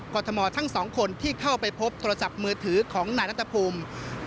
ทมทั้งสองคนที่เข้าไปพบโทรศัพท์มือถือของนายนัทภูมิ